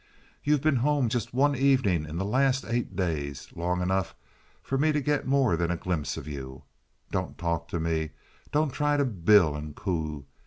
You've been home just one evening in the last eight days, long enough for me to get more than a glimpse of you. Don't talk to me. Don't try to bill and coo.